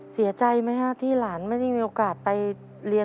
เสียใจไหมฮะที่หลานไม่ได้มีโอกาสไปเรียน